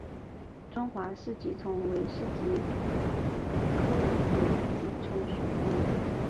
中华四极虫为四极科四极虫属的动物。